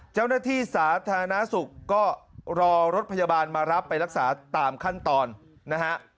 เจ้าหน้าที่สาธารณสุขก็รอรถพยาบาลมารับไปรักษาตามขั้นตอนนะฮะ